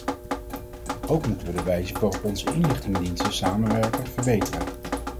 Ook moeten we de wijze waarop onze inlichtingendiensten samenwerken verbeteren.